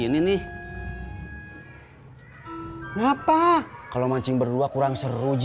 iiih makasih banyak ya bang salim